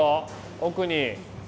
奥に。